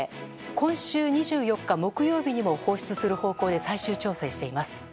今週２４日、木曜日にも放出する方向で最終調整しています。